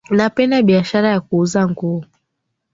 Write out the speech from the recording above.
Napenda biashara ya kuuza nguo